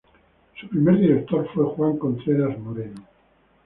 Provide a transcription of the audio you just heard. Su primer director fue Juan Contreras Moreno.